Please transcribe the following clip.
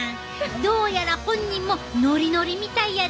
どうやら本人もノリノリみたいやで！